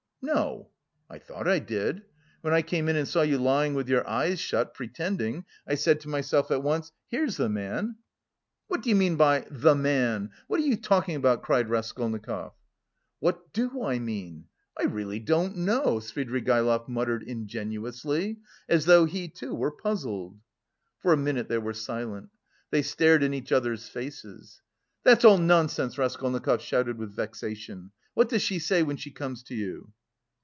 "No!" "I thought I did. When I came in and saw you lying with your eyes shut, pretending, I said to myself at once, 'Here's the man.'" "What do you mean by 'the man?' What are you talking about?" cried Raskolnikov. "What do I mean? I really don't know...." Svidrigaïlov muttered ingenuously, as though he, too, were puzzled. For a minute they were silent. They stared in each other's faces. "That's all nonsense!" Raskolnikov shouted with vexation. "What does she say when she comes to you?"